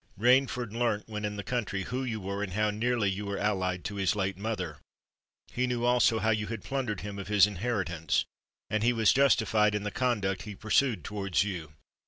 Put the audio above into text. Rainford learnt, when in the country, who you were and how nearly you were allied to his late mother;—he knew also how you had plundered him of his inheritance—and he was justified in the conduct he pursued towards you.